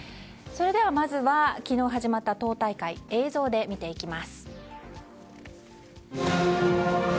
まずは昨日始まった党大会映像で見ていきます。